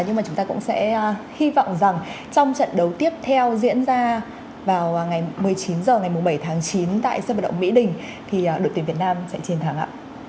nhưng mà chúng ta cũng sẽ hy vọng rằng trong trận đấu tiếp theo diễn ra vào ngày một mươi chín h ngày bảy tháng chín tại sân vận động mỹ đình thì đội tuyển việt nam sẽ chiến thắng